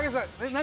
何？